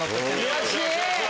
悔しい！